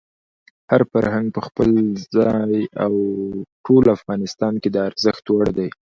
هر فرهنګ په خپل ځای او ټول افغانستان کې د ارزښت وړ دی.